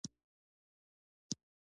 آیا د ایران اقتصاد په سیمه کې لوی نه دی؟